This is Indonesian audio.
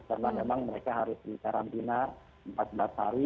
karena memang mereka harus dikarantina empat belas hari